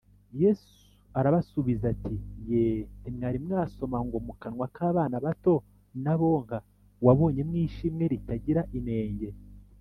yesu arabasubiza ati: ‘yee, ntimwari mwasoma ngo ‘mu kanwa k’abana bato n’abonka wabonyemo ishimwe ritagira inenge?’